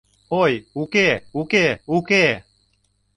Ой, уке, уке, уке!